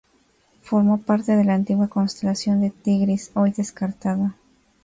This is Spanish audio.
Formó parte de la antigua constelación de Tigris, hoy descartada.